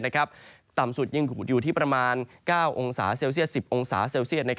ส่วนสุดยังหูดอยู่ที่ประมาณ๙๑๐องศาเซลเซียด